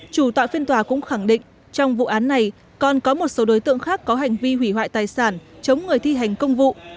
chủ tọa phiên tòa cũng khẳng định trong vụ án này còn có một số đối tượng khác có hành vi hủy hoại tài sản chống người thi hành công vụ